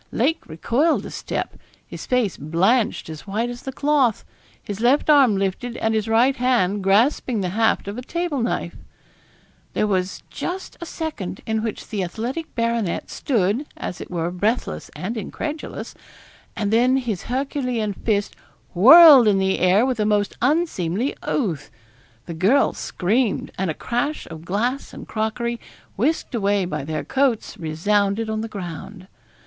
Lake recoiled a step; his face blanched as white as the cloth; his left arm lifted, and his right hand grasping the haft of a table knife. There was just a second in which the athletic baronet stood, as it were breathless and incredulous, and then his Herculean fist whirled in the air with a most unseemly oath: the girl screamed, and a crash of glass and crockery, whisked away by their coats, resounded on the ground.